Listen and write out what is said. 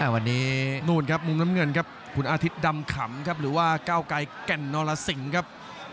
วันนี้นู่นครับมุมน้ำเงินครับคุณอาทิตย์ดำขำครับหรือว่าก้าวไกรแก่นนรสิงครับ